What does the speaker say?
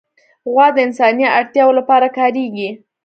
غوا د انساني اړتیاوو لپاره کارېږي.